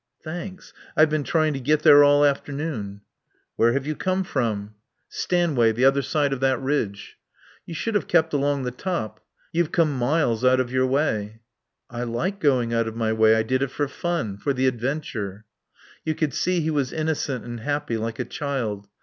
"Thanks. I've been trying to get there all afternoon." "Where have you come from?" "Stanway. The other side of that ridge." "You should have kept along the top. You've come miles out of your way." "I like going out of my way. I did it for fun. For the adventure." You could see he was innocent and happy, like a child.